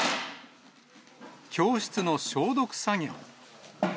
教室の消毒作業。